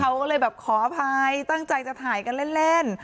เขาก็เลยแบบขออภัยตั้งใจจะถ่ายกันเล่น